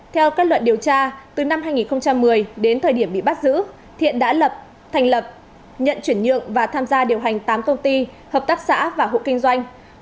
theo kết luận điều tra từ năm hai nghìn một mươi đến thời điểm bị bắt giữ thiện đã lập thành lập nhận chuyển nhượng và tham gia điều hành tám công ty hợp tác xã và hộ kinh doanh